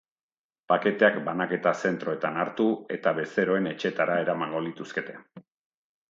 Paketeak banaketa zentroetan hartu eta bezeroen etxeetara eramango lituzkete.